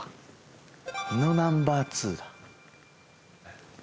「のナンバー２だ」